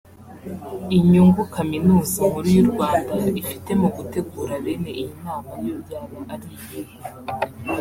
Inyungu Kaminuza Nkuru y’u Rwanda ifite mu gutegura bene iyi nama yo yaba ari iyihe